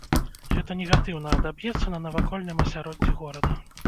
Гэта негатыўна адаб'ецца на навакольным асяроддзі горада.